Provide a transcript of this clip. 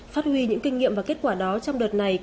phát huy những kinh nghiệm và kết quả đó trong đợt này